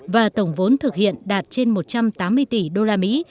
và tổng vốn thực hiện đạt trên một trăm tám mươi tỷ usd